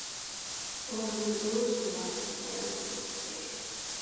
However, these were not required in order to play.